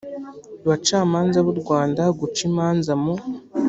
bacamanza b u rwanda guca imanza mu